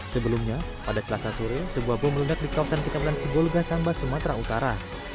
sebelumnya pada selasa sore sebuah bom meledak di kawasan kecamatan sibolega sambas sumatera utara